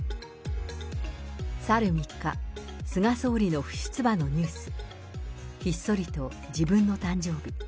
去る３日、菅総理の不出馬のニュース。ひっそりと、自分の誕生日。